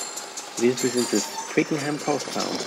It is within the Twickenham post town.